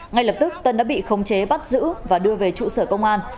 ngay lập tức tân đã bị khống chế bắt giữ và đưa về trụ sở công an